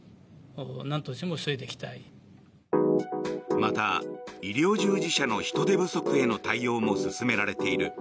また、医療従事者の人手不足への対応も進められている。